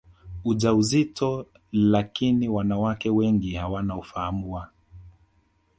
ujauzito lakini wanawake wengi hawana ufahamu wa